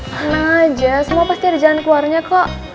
tenang aja semua pasti ada jalan keluarnya kok